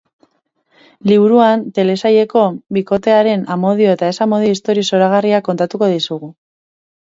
Liburuan telesaileko bikotearen amodio eta ez-amodio istorio zoragarria kontatuko dizugu.